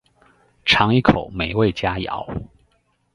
嚐一口美味佳肴